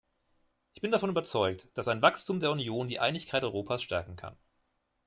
Ich bin davon überzeugt, dass ein Wachstum der Union die Einigkeit Europas stärken kann.